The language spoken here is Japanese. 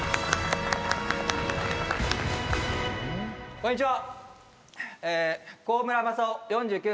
こんにちは！